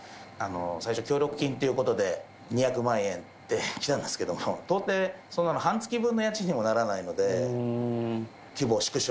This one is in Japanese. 最初、協力金っていうことで、２００万円って来たんですけども、到底そんなの半月分の家賃にもならないので。